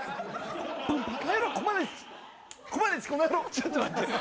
ちょっと待って。